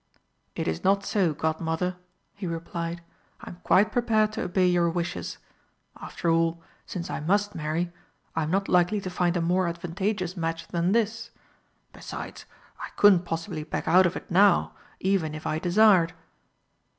"It is not so, Godmother," he replied; "I'm quite prepared to obey your wishes. After all, since I must marry, I am not likely to find a more advantageous match than this. Besides, I couldn't possibly back out of it now even if I desired."